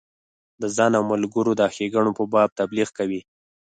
د ځان او ملګرو د ښیګڼو په باب تبلیغ کوي.